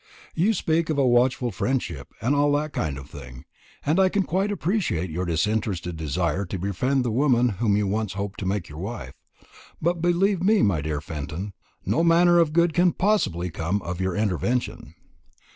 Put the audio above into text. You speak of watchful friendship and all that kind of thing, and I can quite appreciate your disinterested desire to befriend the woman whom you once hoped to make your wife. But, believe me, my dear Fenton, no manner of good can possibly come of your intervention.